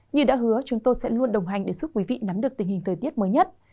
như đã hứa chúng tôi sẽ luôn đồng hành để giúp quý vị nắm được tình hình thời tiết mới nhất